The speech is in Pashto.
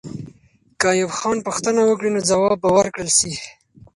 که ایوب خان پوښتنه وکړي، نو ځواب به ورکړل سي.